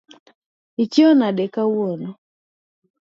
Ichiew nade kawuono.